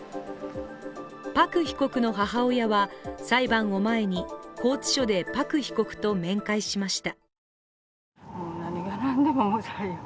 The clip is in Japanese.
パク被告の母親は、裁判を前に拘置所でパク被告と面会しました。